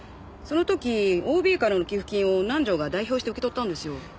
その時ＯＢからの寄付金を南条が代表して受け取ったんですよ。